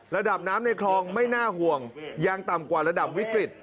ระดับน้ำในคลองไม่น่าห่วงยังต่ำกว่าระดับวิกฤต